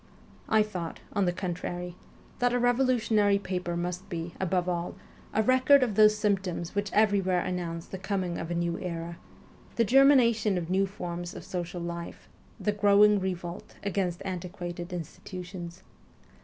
I thought, on the contrary, that a revolutionary paper must be,, above all, a record of those symptoms which every where announce the coming of a new era, the germina tion of new forms of social life, the growing revolt against antiquated institutions.